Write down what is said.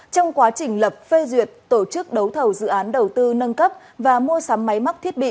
trong quá trình lập phê duyệt tổ chức đấu thầu dự án đầu tư nâng cấp và mua sắm máy mắc thiết bị